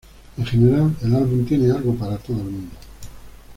En general el álbum tiene algo para todo el mundo.